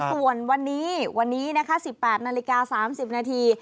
ส่วนวันนี้วันนี้นะคะ๑๘นาฬิกา๓๐นาที